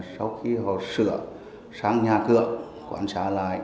sau khi họ sửa sang nhà cửa quán xá lại